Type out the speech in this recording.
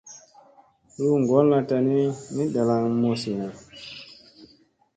Luu ngolla tani ni ndalanga musinna.